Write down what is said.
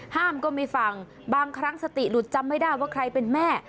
ก็ไม่ฟังบางครั้งสติหลุดจำไม่ได้ว่าใครเป็นแม่